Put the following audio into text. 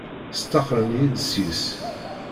Staxren-iyi-d seg-s.